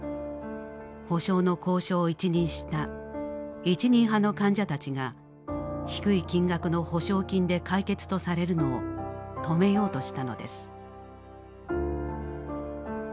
補償の交渉を一任した「一任派」の患者たちが低い金額の補償金で解決とされるのを止めようとしたのです。